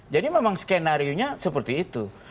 jadi memang skenario nya seperti itu